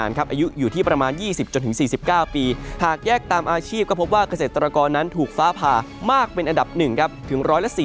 อายุอยู่ที่ประมาณ๒๐๔๙ปีหากแยกตามอาชีพก็พบว่าเกษตรกรนั้นถูกฟ้าผ่ามากเป็นอันดับ๑ถึง๑๔๐